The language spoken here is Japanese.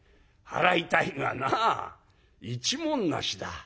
払いたいがなあ一文無しだ」。